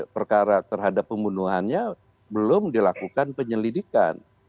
perkara terhadap pembunuhannya belum dilakukan penyelidikan